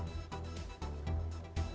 terima kasih pak